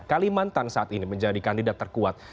kalimantan saat ini menjadi kandidat terkuat